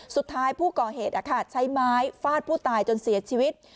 สุดท้ายผู้ก่อเหตุใช้ไม้ฟาดผู้ตายจนเสียชีวิต